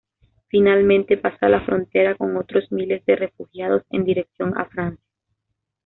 Finalmente, pasa la frontera con otros miles de refugiados en dirección a Francia.